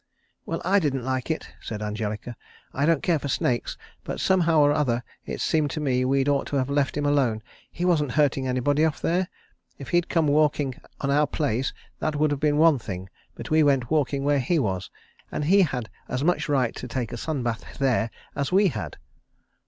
"Well, I didn't like it," said Angelica. "I don't care for snakes, but somehow or other it seems to me we'd ought to have left him alone. He wasn't hurting anybody off there. If he'd come walking on our place, that would have been one thing, but we went walking where he was, and he had as much right to take a sun bath there as we had."